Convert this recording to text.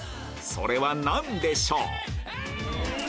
それは何でしょう？